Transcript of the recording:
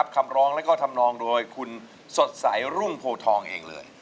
คำร้องแล้วก็ทำนองโดยคุณสดใสรุ่งโพทองเองเลย